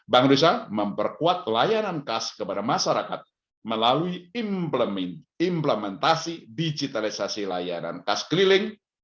bang risa memperkuat layanan khas kepada masyarakat melalui implementasi digitalisasi layanan khas keliling